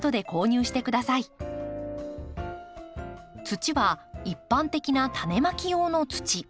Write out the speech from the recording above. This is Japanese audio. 土は一般的なタネまき用の土。